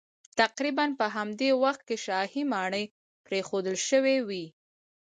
تقریبا په همدې وخت کې شاهي ماڼۍ پرېښودل شوې وې